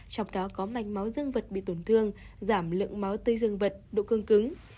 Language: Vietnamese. trong đó có mạch máu dương vật bị tổn thương giảm lượng máu tươi dương vật độ cương cứng